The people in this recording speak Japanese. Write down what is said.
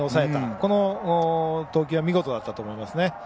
この投球は見事だったと思います。